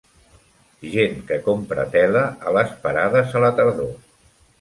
Gent que compra tela a les parades a la tardor.